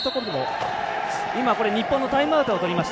日本のタイムアウトです。